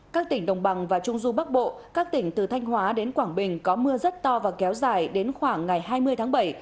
các tỉnh đồng bằng và trung du bắc bộ các tỉnh từ thanh hóa đến quảng bình có mưa rất to và kéo dài đến khoảng ngày hai mươi tháng bảy